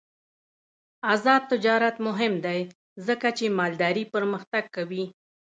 آزاد تجارت مهم دی ځکه چې مالداري پرمختګ کوي.